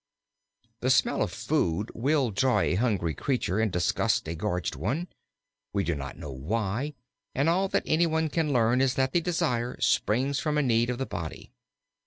The smell of food will draw a hungry creature and disgust a gorged one. We do not know why, and all that any one can learn is that the desire springs from a need of the body.